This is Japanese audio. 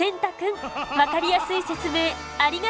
分かりやすい説明ありがとう！